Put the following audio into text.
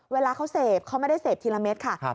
เวลาเขาเสพเขาไม่ได้เสพทีละเม็ดค่ะ